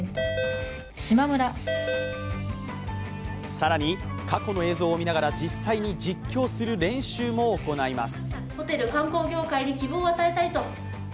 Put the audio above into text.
更に過去の映像を見ながら実際に実況する練習も行います。